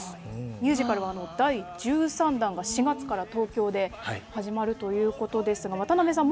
ミュージカルは第１３弾が４月から東京で始まるということですが渡辺さん